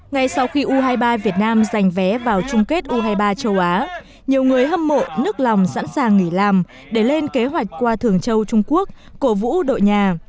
ngay sau khi u hai mươi ba việt nam giành vé vào chung kết u hai mươi ba châu á nhiều người hâm mộ nước lòng sẵn sàng nghỉ làm để lên kế hoạch qua thường châu trung quốc cổ vũ đội nhà